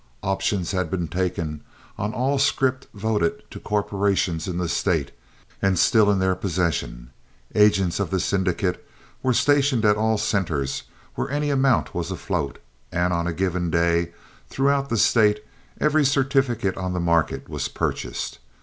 Options had been taken on all scrip voted to corporations in the State and still in their possession, agents of the syndicate were stationed at all centres where any amount was afloat, and on a given day throughout the State every certificate on the market was purchased.